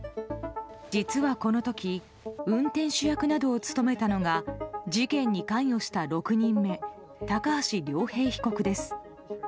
実は、この時運転手役などを務めたのが事件に関与した６人目高橋遼平被告です。